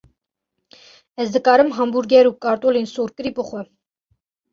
Ez dikarim hambûrger û kartolên sorkirî bixwim?